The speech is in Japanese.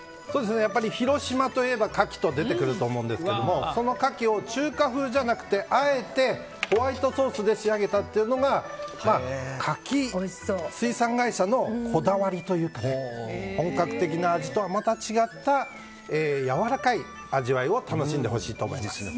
やっぱり広島といえばカキが出てくると思うんですがそのカキを中華風じゃなくてあえてホワイトソースで仕上げたというのがカキ水産会社のこだわりというか本格的な味とはまた違ったやわらかい味わいを楽しんでほしいと思います。